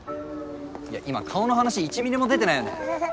今顔の話一ミリも出てないよね？